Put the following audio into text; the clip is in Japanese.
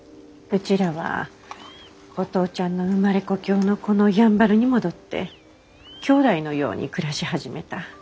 うちらはお父ちゃんの生まれ故郷のこのやんばるに戻ってきょうだいのように暮らし始めた。